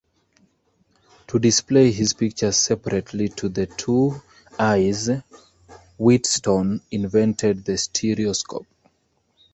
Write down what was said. To display his pictures separately to the two eyes, Wheatstone invented the stereoscope.